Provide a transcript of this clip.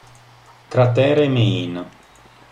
Cratere Main